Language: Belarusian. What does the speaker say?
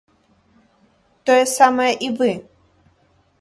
Тое самае і вы.